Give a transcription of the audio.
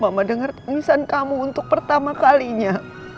mama denger tenisan kamu untuk pertama kalinya